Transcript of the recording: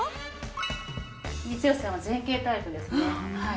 光吉さんは前傾タイプですね。